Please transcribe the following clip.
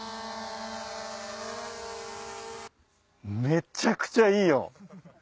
めちゃくちゃいいよ。